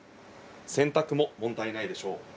洗濯も問題ないでしょう。